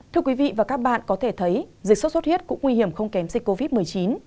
thưa quý vị và các bạn có thể thấy dịch sốt xuất huyết cũng nguy hiểm không kém dịch covid một mươi chín